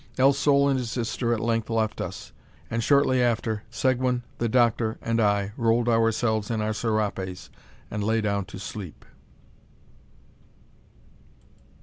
El Sol and his sister at length left us, and shortly after Seguin, the doctor, and I rolled ourselves in our serapes, and lay down to sleep.